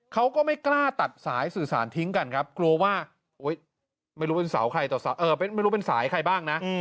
เขาก็ไม่กล้าตัดสายสื่อสารทิ้งกันครับกลัวว่าโอ๊ยไม่รู้เป็นสายใครบ้างนะ